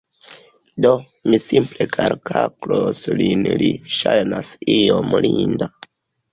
Do, mi simple alklakos lin li ŝajnas iom linda